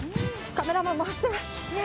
カメラマンも走ってます。